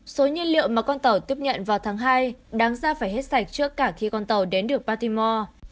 số nhiên liệu mà con tàu tiếp nhận vào tháng hai đáng ra phải hết sạch trước cả khi con tàu đến được patimore